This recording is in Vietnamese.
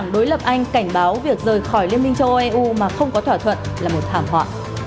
đối lập anh cảnh báo việc rời khỏi liên minh châu âu eu mà không có thỏa thuận là một thảm họa